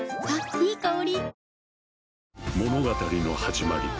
いい香り。